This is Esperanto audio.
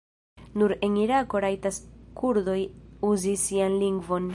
Nur en Irako rajtas kurdoj uzi sian lingvon.